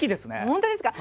本当ですか！